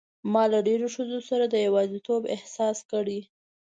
ما له ډېرو ښځو سره د یوازیتوب احساس کړی.